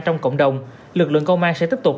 trong cộng đồng lực lượng công an sẽ tiếp tục